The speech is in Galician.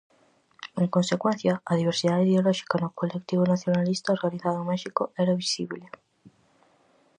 En consecuencia, a diversidade ideolóxica no colectivo nacionalista organizado en México era visible.